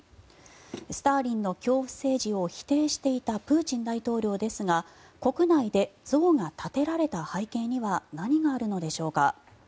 スターリンの恐怖政治を否定していたプーチン大統領ですが国内で像が建てられた背景には何があるのでしょうか。